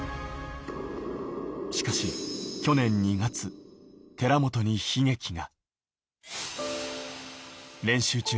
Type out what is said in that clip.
しかし、去年２月、寺本に悲劇が。